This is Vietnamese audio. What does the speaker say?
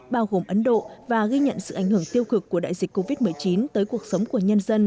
bao gồm ấn độ và ghi nhận sự ảnh hưởng tiêu cực của đại dịch covid một mươi chín tới cuộc sống của nhân dân